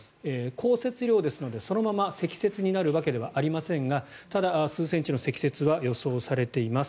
降雪量ですのでそのまま積雪になるわけではありませんがただ、数センチの積雪は予想されています。